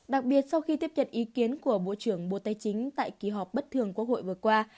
đặc biệt sau khi tiếp nhận ý kiến của bộ trưởng bộ tài chính tại kỳ họp bất thường quốc hội vừa qua